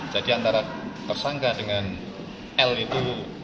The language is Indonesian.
jadi antara persangka dengan l itu